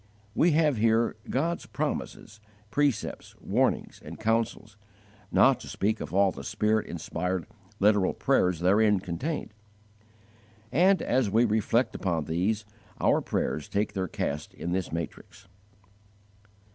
We have here God's promises, precepts, warnings, and counsels, not to speak of all the Spirit inspired literal prayers therein contained; and, as we reflect upon these, our prayers take their cast in this matrix.